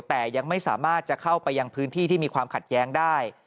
แต่ยังไม่สามารถจะเข้าไปยังพื้นที่ที่มีความขัดแย้งได้